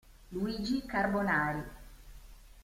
Luigi Carbonari